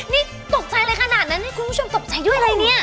นี่ตกใจอะไรขนาดนั้นนะคุณผู้ชมตกใจด้วยอะไรเนี่ย